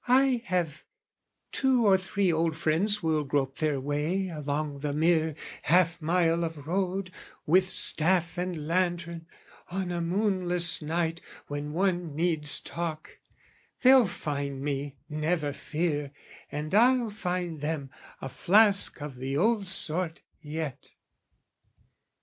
"I still have two or three old friends will grope "Their way along the mere half mile of road, "With staff and lantern on a moonless night "When one needs talk: they'll find me, never fear, "And I'll find them a flask of the old sort yet!"